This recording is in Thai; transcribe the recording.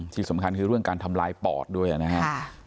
ที่สำคัญคือเรื่องการทำลายปอดด้วยนะครับ